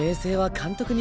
監督に。